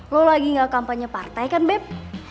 lo lagi gak kampanye partai kan bep